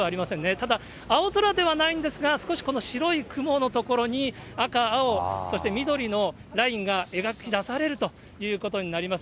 ただ、青空ではないんですが、少しこの白い雲の所に、赤、青、そして緑のラインが描き出されるということになります。